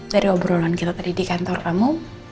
dari obrolan kita tadi di kantor kamu